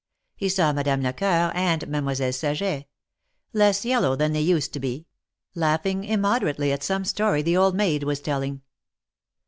He saw Madame Lecoeur and Mademoiselle Saget — less yellow than they used to be — laughing immoderately at some story the old maid was telling.